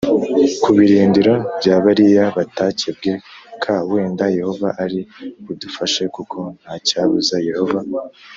ku birindiro bya bariya batakebwe k Wenda Yehova ari budufashe kuko nta cyabuza Yehova